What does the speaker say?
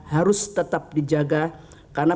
harus tetap dijaga karena